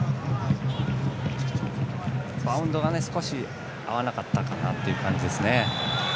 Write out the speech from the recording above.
バウンドが少し合わなかったかという感じですね。